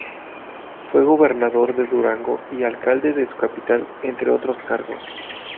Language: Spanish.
Fue Gobernador de Durango y alcalde de su capital, entre otros cargos.